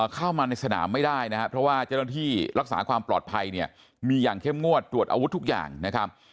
เข้ามาในสนามไม่ได้นะครับเพราะว่าเจ้าหน้าที่รักษาความปลอดภัยเนี่ยมีอย่างเข้มงวดตรวจอาวุธทุกอย่างนะครับ